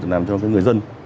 làm cho người dân